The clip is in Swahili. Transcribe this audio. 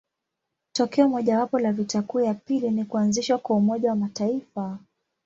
Tokeo mojawapo la vita kuu ya pili ni kuanzishwa kwa Umoja wa Mataifa.